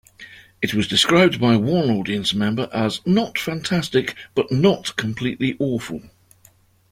It was described by one audience member as "not fantastic, but not completely awful".